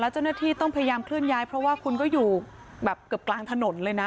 เจ้าหน้าที่ต้องพยายามเคลื่อนย้ายเพราะว่าคุณก็อยู่แบบเกือบกลางถนนเลยนะ